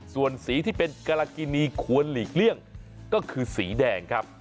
ส่วนสีที่เป็นกรกินีควรหลีกเลี่ยงก็คือสีแดงครับ